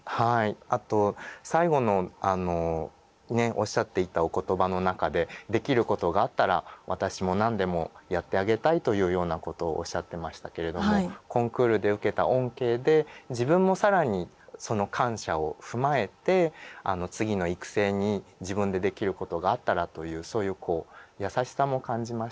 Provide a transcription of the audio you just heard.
あと最後のあのねっおっしゃっていたお言葉の中で「できることがあったら私も何でもやってあげたい」というようなことをおっしゃってましたけれどもコンクールで受けた恩恵で自分も更にその感謝を踏まえて次の育成に自分でできることがあったらというそういう優しさも感じましたね。